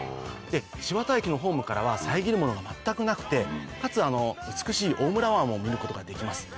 千綿駅のホームからは遮る物が全くなくてかつ美しい大村湾を見ることができます。